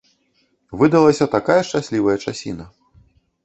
Выдалася такая шчаслівая часіна!